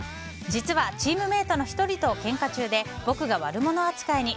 実はチームメートの１人とけんか中で僕が悪者扱いに。